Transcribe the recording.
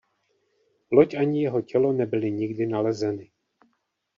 Loď ani jeho tělo nebyly nikdy nalezeny.